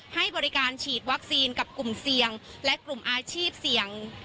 ให้บริการฉีดวัคซีนกับกลุ่มเสี่ยงและกลุ่มอาชีพเสี่ยง